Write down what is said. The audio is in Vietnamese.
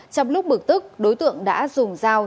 trong lúc bực tức đối tượng đã dùng dao